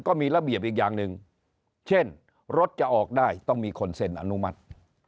ก็มีระเบียบอีกอย่างหนึ่งเช่นรถจะออกได้ต้องมีคนเซ็นอนุมัติ